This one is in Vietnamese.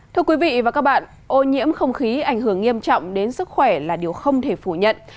thưa quý vị và các bạn ô nhiễm không khí ảnh hưởng nghiêm trọng đến sức khỏe là điều không thể phủ nhận